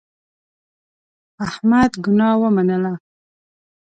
احمد ګناه ومنله.